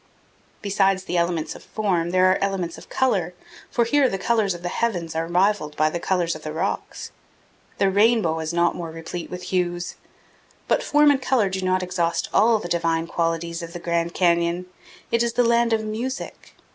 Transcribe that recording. Besides the elements of form, there are elements of color, for here the colors of the heavens are rivaled by the colors of the rocks. The rainbow is not more replete with hues. But form and color do not exhaust all the divine qualities of the Grand Canyon. It is the land of music.